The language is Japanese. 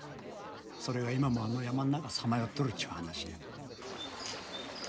それが今もあの山の中さまよっとるっちゅう話や。